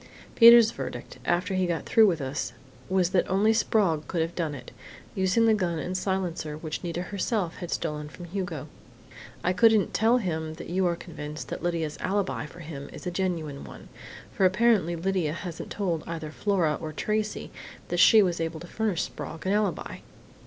"Peter's verdict, after he got through with us, was that only Sprague could have done it using the gun and silencer which Nita herself had stolen from Hugo. I couldn't tell him that you are convinced that Lydia's alibi for him is a genuine one, for apparently Lydia hasn't told either Flora or Tracey that she was able to furnish Sprague an alibi.